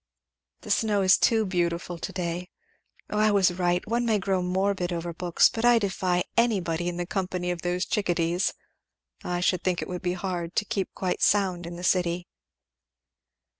"The snow is too beautiful to day. O I was right! one may grow morbid over books but I defy anybody in the company of those chick a dees. I should think it would be hard to keep quite sound in the city."